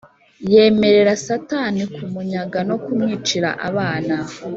yemerera satani kumunyaga no kumwicira abana